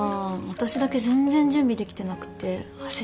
私だけ全然準備できてなくて焦っちゃった。